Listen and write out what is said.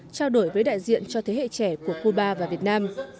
trao đổi với đại diện cho thế hệ trẻ của cuba